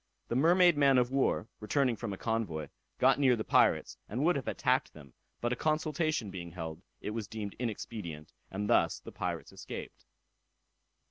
The Mermaid man of war, returning from a convoy, got near the pirates, and would have attacked them, but a consultation being held, it was deemed inexpedient, and thus the pirates escaped.